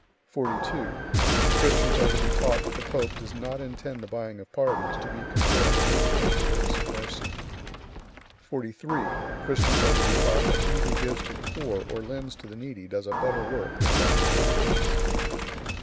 42. Christians are to be taught that the pope does not intend the buying of pardons to be compared in any way to works of mercy. 43. Christians are to be taught that he who gives to the poor or lends to the needy does a better work than buying pardons; 44.